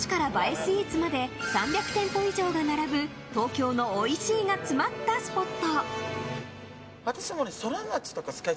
スイーツまで３００店舗以上が並ぶ東京のおいしいが詰まったスポット。